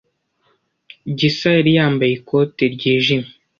Gisa yari yambaye ikote ryijimye.